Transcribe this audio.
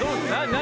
何？